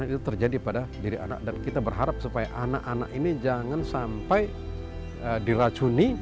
itu terjadi pada diri anak dan kita berharap supaya anak anak ini jangan sampai diracuni